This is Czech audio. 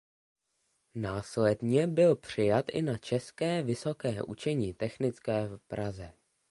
Následně byl přijat i na České vysoké učení technické v Praze.